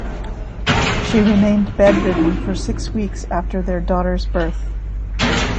She remained bedridden for six weeks after their daughter's birth.